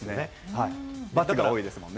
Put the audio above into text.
バッテンが多いですもんね。